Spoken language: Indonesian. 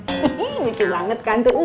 hihihi lucu banget kantor usuh